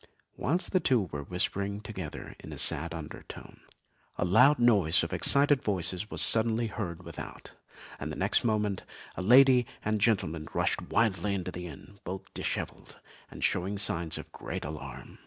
Whilst the two were whispering together in a sad undertone, a loud noise of excited voices was suddenly heard without, and next moment a lady and gentleman rushed wildly into the inn, both dishevelled, and showing signs of great alarm.